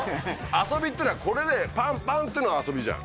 遊びってのはこれでパンパンってのが遊びじゃん。